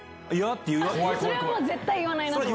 いや、それはもう絶対言わないなと。